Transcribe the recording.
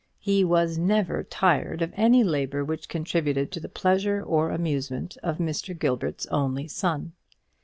He was never tired of any labour which contributed to the pleasure or amusement of Mr. Gilbert's only son.